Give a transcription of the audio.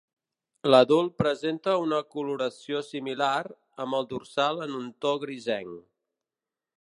L'adult presenta una coloració similar, amb el dorsal en un to grisenc.